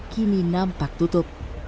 kini nampak tutup